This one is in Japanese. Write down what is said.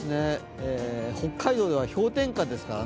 北海道では氷点下ですからね。